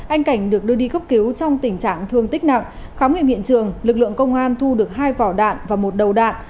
anh cảnh được đưa đi cấp cứu trong tình trạng thương tích nặng khám nghiệm hiện trường lực lượng công an thu được hai vỏ đạn và một đầu đạn